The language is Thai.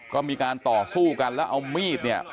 ก็มีการต่อสู้กันแล้วเอามีดเนี่ย